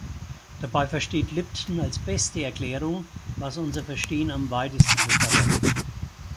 Dabei versteht Lipton als „beste Erklärung“, was unser Verstehen am weitesten befördert.